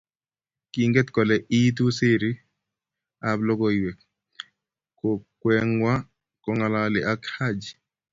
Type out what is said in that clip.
Kingen kole iitu serii ab logoiiwek kokweengwa kongalal ak Haji